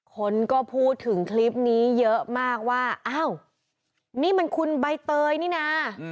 คนก็พูดถึงคลิปนี้เยอะมากว่าอ้าวนี่มันคุณใบเตยนี่นะ